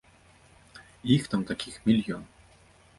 І іх там такіх мільён!